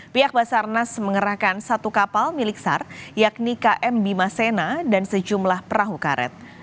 pihak basarnas mengerahkan satu kapal milik sar yakni km bima sena dan sejumlah perahu karet